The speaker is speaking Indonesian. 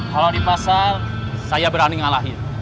kalau di pasar saya berani ngalahin